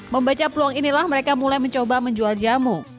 membaca peluang inilah mereka mulai mencoba menjual jamu